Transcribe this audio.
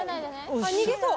逃げそう。